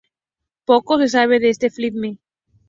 Poco se sabe de este filme.